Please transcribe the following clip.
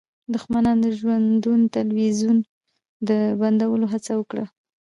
دښمنانو د ژوندون تلویزیون د بندولو هڅه وکړه